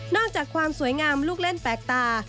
จากความสวยงามลูกเล่นแปลกตา